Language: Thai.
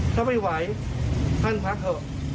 ถ้าไม่ไหวท่านพักเถอะ